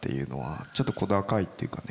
ちょっと小高いっていうかね